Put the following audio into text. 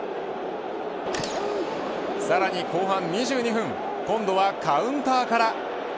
さらに後半２２分今度はカウンターから。